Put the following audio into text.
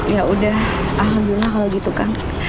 ya udah alhamdulillah kalau gitu kan